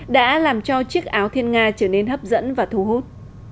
đã làm cho chiếc áo thiên nga trở nên hấp dẫn và thu hút